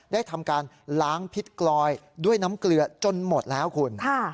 ได้ทำการล้างพิษกลอยด้วยน้ำเกลือจนหมดแล้วคุณ